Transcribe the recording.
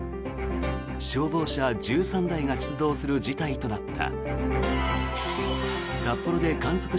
消防車１３台が出動する事態となった。